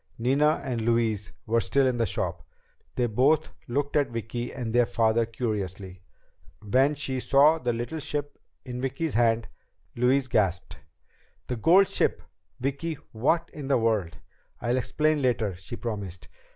Nina and Louise were still in the shop. They both looked at Vicki and their father curiously. When she saw the little ship in Vicki's hand, Louise gasped. "The gold ship, Vicki! What in the world ...?" "I'll explain later," she promised.